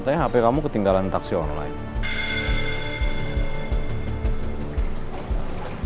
katanya hp kamu ketinggalan taksi online